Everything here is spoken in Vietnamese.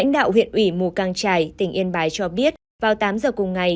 lãnh đạo huyện ủy mù cang trải tỉnh yên bái cho biết vào tám giờ cùng ngày